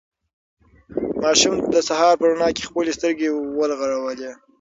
ماشوم د سهار په رڼا کې خپلې سترګې وغړولې.